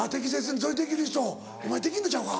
それできる人お前できんのちゃうか？